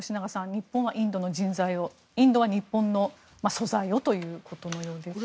日本はインドの人材をインドは日本の素材をということです。